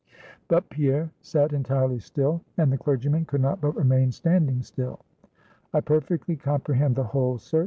But Pierre sat entirely still, and the clergyman could not but remain standing still. "I perfectly comprehend the whole, sir.